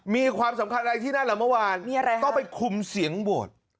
มีความสำคัญอะไรที่นั่นแหละเมื่อวานต้องไปคุมเสียงโหวต